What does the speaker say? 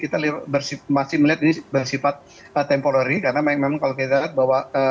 kita masih melihat ini bersifat temporary karena memang kalau kita lihat bahwa